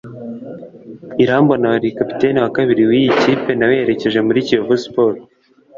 Irambona wari kapiteni wa kabiri w’iyi kipe, na we yerekeje muri Kiyovu Sport